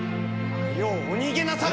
早うお逃げなされ！